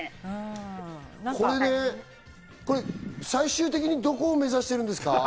これね、最終的にどこを目指してるんですか？